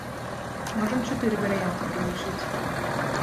Можам чатыры варыянты пралічыць.